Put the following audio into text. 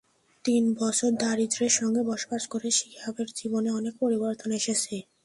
তিন বছর দারিদ্র্যের সঙ্গে বসবাস করে শিহাবের জীবনে অনেক পরিবর্তন এসেছে।